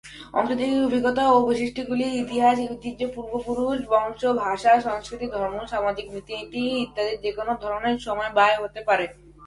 অংশীদারী অভিজ্ঞতা ও বৈশিষ্ট্যগুলি ইতিহাস, ঐতিহ্য, পূর্বপুরুষ, বংশ, ভাষা, সংস্কৃতি, ধর্ম, সামাজিক রীতিনীতি, ইত্যাদির যেকোনও ধরনের সমবায় হতে পারে।